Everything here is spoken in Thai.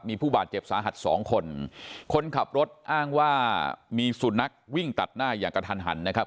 มีผู้บาดเจ็บสาหัสสองคนคนขับรถอ้างว่ามีสุนัขวิ่งตัดหน้าอย่างกระทันหันนะครับ